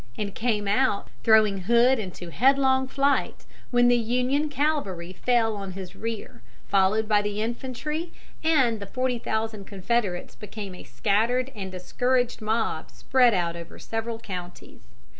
and came out, throwing Hood into headlong flight, when the Union cavalry fell on his rear, followed by the infantry, and the forty thousand Confederates became a scattered and discouraged mob spread out over several counties.